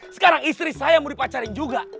sekarang istri saya mau dipacari juga